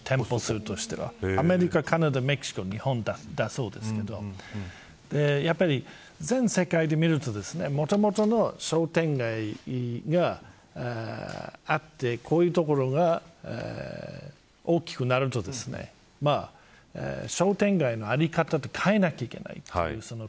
アメリカ、カナダ、メキシコ日本だそうですけど全世界で見るともともとの商店街があって、こういうところが大きくなると商店街のあり方は変えなきゃいけない。